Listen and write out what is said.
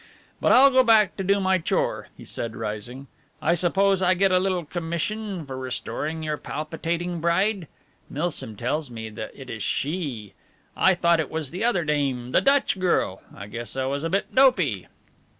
But I'll go back to do my chore," he said rising. "I suppose I get a little commission for restoring your palpitating bride? Milsom tells me that it is she. I thought it was the other dame the Dutch girl. I guess I was a bit dopey."